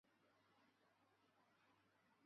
从前面公司进行再造的经验中进行学习。